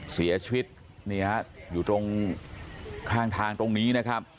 เสียชีวิตอยู่ตรงข้างทางตรงนี้นะครับ